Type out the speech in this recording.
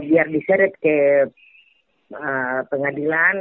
biar diseret ke pengadilan